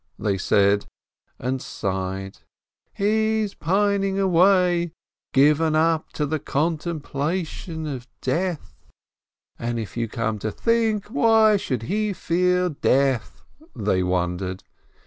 they said, and sighed. "He's pining awayi — given up to the contempla tion of death." "And if you come to think, why should he fear death ?" they wondered.